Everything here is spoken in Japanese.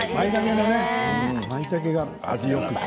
まいたけが味をよくしている。